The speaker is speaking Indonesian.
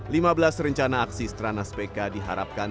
lima belas rencana aksi strana speka diharapkan